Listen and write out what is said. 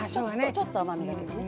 ちょっと甘めだけどね。